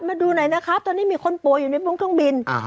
มาดูหน่อยนะครับตอนนี้มีคนป่วยอยู่ในวงเครื่องบิน